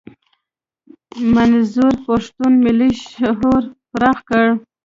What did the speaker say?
منظور پښتون ملي شعور پراخ کړ.